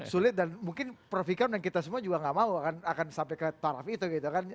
sulit dan mungkin profikan yang kita semua juga enggak mau akan sampai ke taraf itu gitu kan